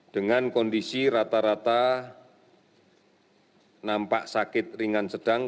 dengan kondisi rata rata nampak sakit ringan sedang